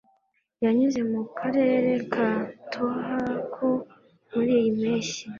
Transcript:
Yanyuze mu karere ka Tohoku muriyi mpeshyi